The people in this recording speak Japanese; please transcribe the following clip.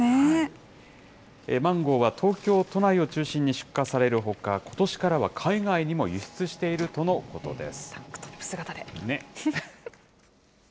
マンゴーは東京都内を中心に出荷されるほか、ことしからは海外にも輸出しているとのことです。